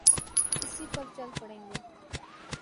اسی پر چل پڑیں گے۔